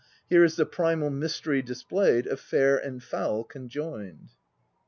Here is the primal mystery displayed Of fair and foul conjoined.